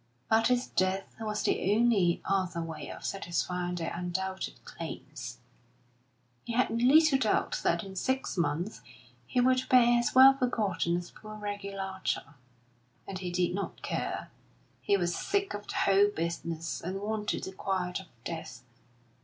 But his death was the only other way of satisfying her undoubted claims. He had little doubt that in six months he would be as well forgotten as poor Reggie Larcher, and he did not care; he was sick of the whole business, and wanted the quiet of death.